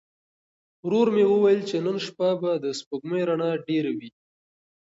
ورور مې وویل چې نن شپه به د سپوږمۍ رڼا ډېره وي.